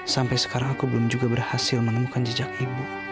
sampai sekarang aku belum juga berhasil menemukan jejak ibu